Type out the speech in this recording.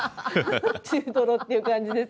中トロっていう感じです。